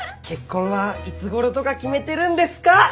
結婚はいつごろとか決めてるんですか？